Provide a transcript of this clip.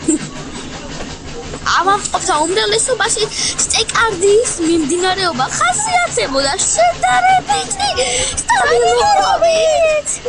ავადმყოფთა უმრავლესობაში სტენოკარდიის მიმდინარეობა ხასიათდება შედარებითი სტაბილურობით.